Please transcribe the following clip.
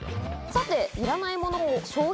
さて。